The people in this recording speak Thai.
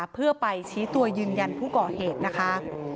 เพื่อไปชี้ตัวยืนยันผู้ก่อเหตุนะคะ